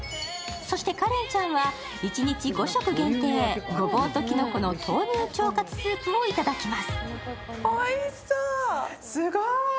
そしてカレンちゃんは、一日５食限定、ゴボウとキノコの豆乳腸活スープを頂きます。